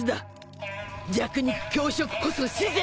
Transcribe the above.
弱肉強食こそ自然の姿！